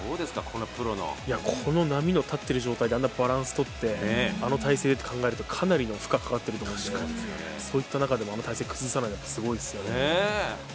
この波の立ってる状態であんなバランスとって、あの体勢って考えると、かなりの負荷がかかってるとおもうのでそういった中でもあの体勢崩さないって、すごいですね。